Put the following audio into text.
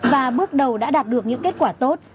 và bước đầu đã đạt được những kết quả tốt